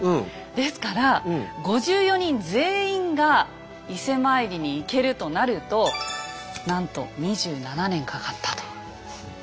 ですから５４人全員が伊勢参りに行けるとなるとなんと２７年かかったということですね。